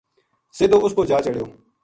سدھو اس پو جا چڑھیو